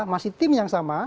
masih tim yang sama